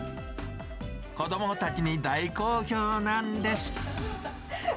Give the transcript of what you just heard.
子どもたちに大好評なんです。